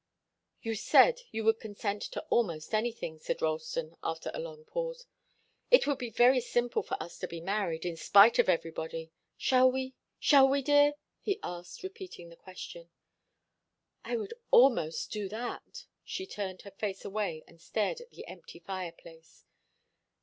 "You said you would consent to almost anything," said Ralston, after a long pause. "It would be very simple for us to be married, in spite of everybody. Shall we? Shall we, dear?" he asked, repeating the question. "I would almost do that " She turned her face away and stared at the empty fireplace.